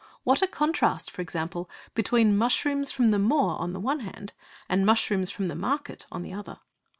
What a contrast, for example, between mushrooms from the moor on the one hand and mushrooms from the market on the other!